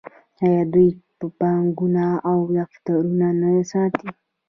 آیا دوی بانکونه او دفترونه نه ساتي؟